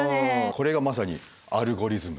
これがまさにアルゴリズム。